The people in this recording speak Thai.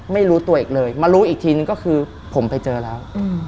ไม่รู้ตัวอีกเลยมารู้อีกทีนึงก็คือผมไปเจอแล้ว